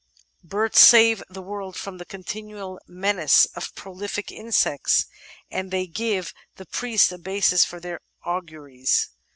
Birds save the world from the continual menace of prolific insects, and they gave the priests a basis for their auguries.